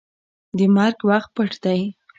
د مرګ وخت پټ دی.